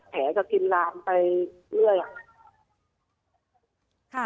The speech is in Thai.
แขก็กินรามไปเรื่อย